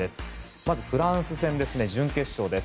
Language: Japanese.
まずフランス戦、準決勝です。